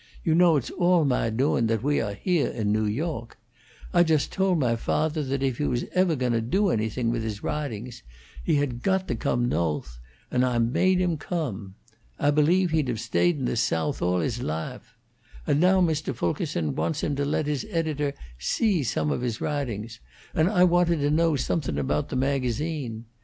You know it's all mah doing that we awe heah in New York. Ah just told mah fathaw that if he was evah goin' to do anything with his wrahtings, he had got to come No'th, and Ah made him come. Ah believe he'd have stayed in the Soath all his lahfe. And now Mr. Fulkerson wants him to let his editor see some of his wrahtings, and Ah wanted to know something aboat the magazine.